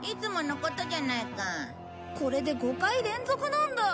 これで５回連続なんだ。